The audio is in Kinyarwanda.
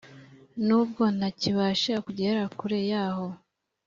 nubwo ntakibasha kugera kure yaho